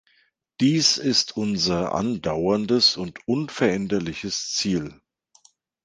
Dies ist unser andauerndes und unveränderliches Ziel.